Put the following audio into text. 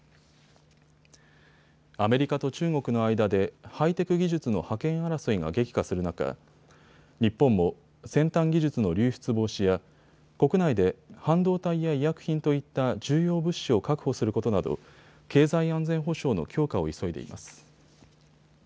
アメリカと中国の間でハイテク技術の覇権争いが激化する中、日本も先端技術の流出防止や国内で、半導体や医薬品といった重要物資を確保することなど経済安全保障の強化を急いでいます。